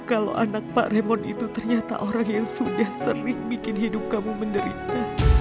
kalau anak pak remon itu ternyata orang yang sudah sering bikin hidup kamu menderita